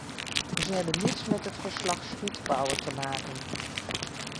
Ze hebben niets met het verslag-Schmidbauer te maken.